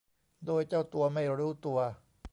โดยเจ้าตัวไม่รู้ตัว